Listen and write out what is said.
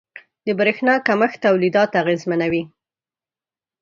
• د برېښنا کمښت تولیدات اغېزمنوي.